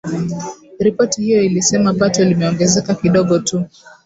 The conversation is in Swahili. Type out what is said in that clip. Ripoti hiyo ilisema pato limeongezeka kidogo tu